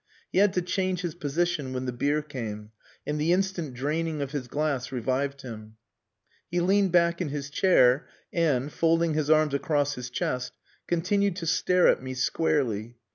He had to change his position when the beer came, and the instant draining of his glass revived him. He leaned back in his chair and, folding his arms across his chest, continued to stare at me squarely.